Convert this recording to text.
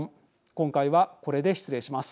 今回はこれで失礼します。